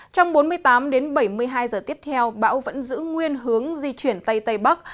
trong bốn mươi tám đến bảy mươi hai giờ tiếp theo bão vẫn giữ nguyên hướng di chuyển tây tây bắc